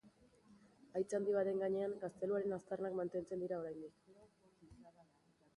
Haitz handi baten gainean gazteluaren aztarnak mantentzen dira oraindik.